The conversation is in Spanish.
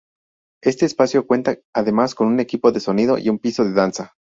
Este espacio cuenta además con un equipo de sonido y un piso de danza.